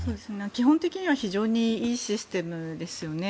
基本的には非常にいいシステムですよね。